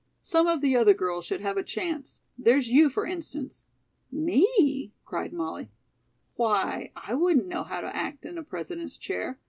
"Some of the other girls should have a chance. There's you, for instance." "Me?" cried Molly. "Why, I wouldn't know how to act in a president's chair.